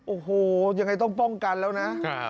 โอ้โหยังไงต้องป้องกันแล้วนะ